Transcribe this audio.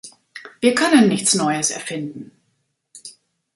Wir können nichts Neues erfinden.